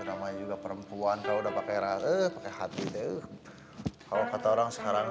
namanya juga perempuan kalau udah pakai ra pakai hati deh kalau kata orang sekarang